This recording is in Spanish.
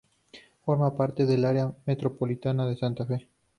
Forma parte del área metropolitana de Santa Fe.